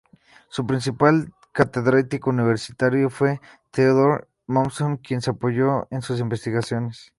Su principal catedrático universitario fue Theodor Mommsen, quien le apoyó en sus investigaciones.